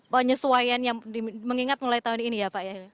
penyesuaian yang mengingat mulai tahun ini ya pak ya